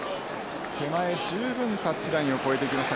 手前十分タッチラインを越えていきました。